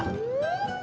kasih ya bang